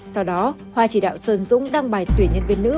sau đó hoa chỉ đạo sơn dũng đăng bài tuyển nhân viên nữ